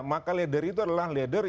maka leder itu adalah leder